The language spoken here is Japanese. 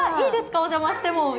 お邪魔しても。